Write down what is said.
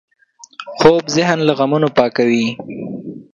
خوب د ذهن له غمونو پاکوي